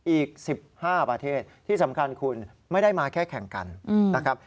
อีก๑๕ประเทศที่สำคัญคุณไม่ได้มาแค่แข่งกันนะครับ